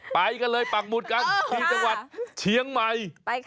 ไปกันเลยปักหมุดกันที่จังหวัดเชียงใหม่